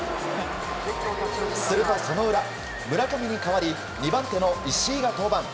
するとその裏、村上に代わり２番手の石井が登板。